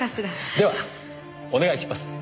ではお願いします。